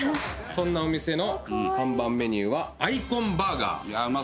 そんなお店の看板メニューはアイコンバーガー。